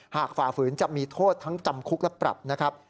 ฝ่าฝืนจะมีโทษทั้งจำคุกและปรับนะครับ